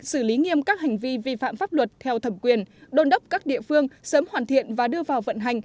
xử lý nghiêm các hành vi vi phạm pháp luật theo thẩm quyền đôn đốc các địa phương sớm hoàn thiện và đưa vào vận hành